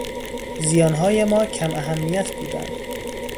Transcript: زیانهای ما کم اهمیت بودند.